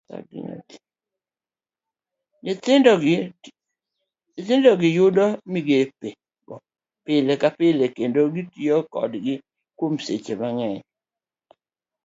Nyithindogi yudo migepego pile ka pile, kendo gitiyo kodgi kuom seche mang'eny.